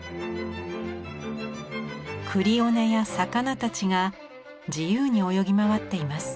クリオネや魚たちが自由に泳ぎ回っています。